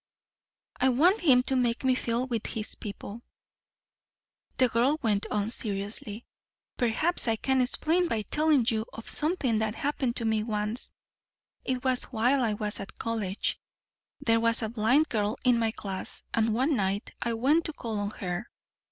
"I want him to make me feel with his people," the girl went on seriously. "Perhaps I can explain by telling you of something that happened to me once. It was while I was at college. There was a blind girl in my class and one night I went to call on her.